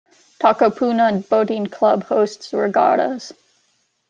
Takapuna Boating Club hosts regattas.